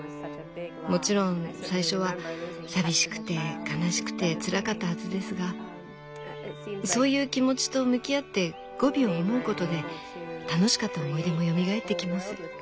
もちろん最初は寂しくて悲しくてつらかったはずですがそういう気持ちと向き合ってゴビを思うことで楽しかった思い出もよみがえってきます。